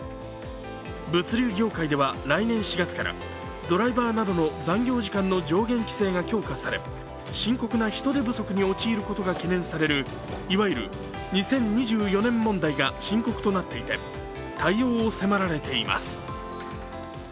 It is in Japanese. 物流業界では来年４月からドライバーなどの残業時間の上限規制が強化され深刻な人手不足に陥ることが懸念される、いわゆる２０２４年問題が深刻となっていて対応を迫られています。